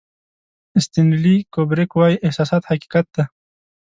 استنلي کوبریک وایي احساسات حقیقت دی.